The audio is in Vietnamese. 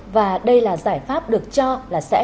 và đây là giải pháp được cho là sẽ